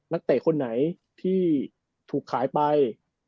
นักเตะคนไหนที่ถูกขายไป